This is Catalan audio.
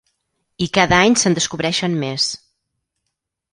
I cada any se'n descobreixen més.